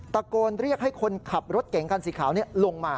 ตะโกนเรียกให้คนขับรถเก่งคันสีขาวลงมา